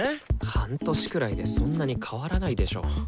半年くらいでそんなに変わらないでしょ。